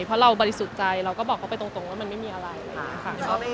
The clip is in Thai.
เพราะเราบริสุทธิ์ใจเราก็บอกเขาไปตรงว่ามันไม่มีอะไรค่ะ